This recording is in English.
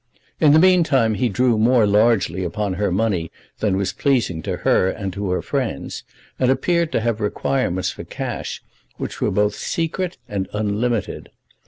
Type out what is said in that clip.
In the meantime he drew more largely upon her money than was pleasing to her and to her friends, and appeared to have requirements for cash which were both secret and unlimited.